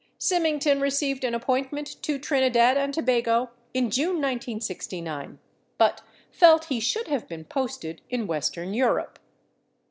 Symington received an appointment to Trinidad and Tobago in June 1969, but felt he should have been posted in Western Europe.